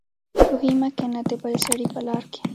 کوهي مه کينه دبل سړي په لار کي